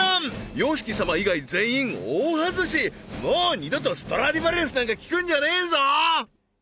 ＹＯＳＨＩＫＩ様以外全員大外しもう二度とストラディヴァリウスなんか聴くんじゃねえぞ！